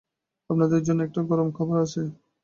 আপনাদের জন্য একটা গরম খবর আছে।